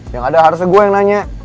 ya gak ada harusnya gue yang nanya